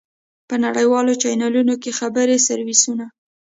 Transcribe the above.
په نړیوالو چېنلونو کې خبري سرویسونه.